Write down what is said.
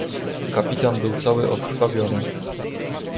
"Kapitan był cały okrwawiony."